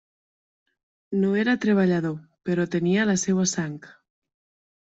No era treballador, però tenia la seua sang.